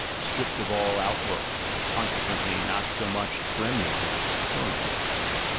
■tripped of all outworks, and consequently not so much ASCETIC IDEALS 175 its remnant as its kernel.